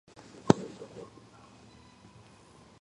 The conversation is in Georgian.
ბრინჯი მრავლდება თესლით, ჩითილით.